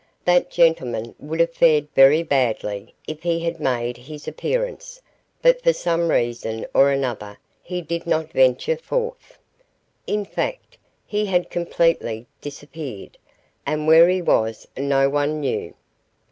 That gentleman would have fared very badly if he had made his appearance, but for some reason or another he did not venture forth. In fact, he had completely disappeared, and where he was no one knew.